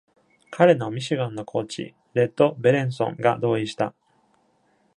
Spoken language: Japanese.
彼のミシガンのコーチ、レッド・ベレンソンが同意した。